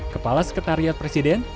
kepala sekretariat presiden